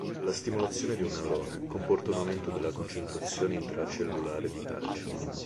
La stimolazione di un neurone comporta un aumento della concentrazione intracellulare di calcio.